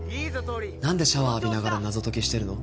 なんでシャワー浴びながら謎解きしてるの？